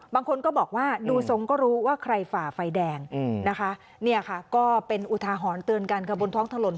บางคนก็บอกว่าดูทรงก็รู้ว่าใครฝ่าไฟแดงนะคะเนี่ยค่ะก็เป็นอุทาหรณ์เตือนกันค่ะบนท้องถนน